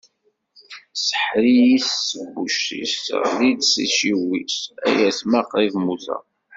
Tseḥḥer-iyi s tebbuct-is, teɣli-d s iciwi-s, ay atma qrib mmuteɣ!